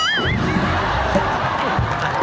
ทำไมต้องเสาอาทิตย์